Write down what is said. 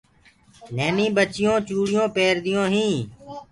ننيني ٻچونٚ چوُڙيونٚ پيرديونٚ هينٚ۔